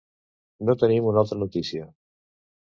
No tenim una altra notícia.